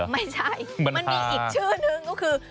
ไม่ใช่มันมีอีกชื่อหนึ่งก็คือ